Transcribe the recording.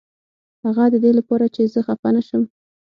هغه ددې لپاره چې زه خفه نشم.